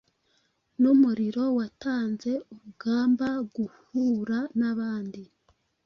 Numuriro watanze urugamba-guhuranabandi